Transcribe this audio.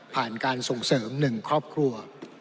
การส่งเสริม๑ครอบครัว